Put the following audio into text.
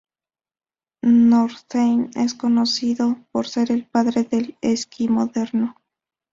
Nordheim es conocido por ser el padre del esquí moderno.